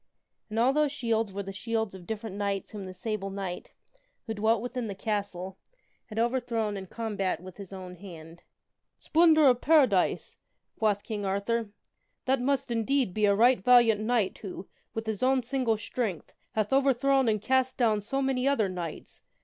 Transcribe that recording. And all those shields were the shields of different knights whom the Sable Knight, who dwelt within the castle, had overthrown in combat with his own hand. 54 THE WINNING OF A SWORD " Splendor of Paradise !" quoth King Arthur, " that must, indeed, be a right valiant knight who, with his own single strength, hath overthrown and cast down so many other knights.